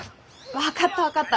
分かった分かった。